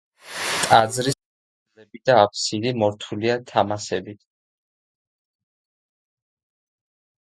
ტაძრის კედლები და აფსიდი მორთულია თამასებით.